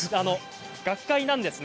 学会なんですね。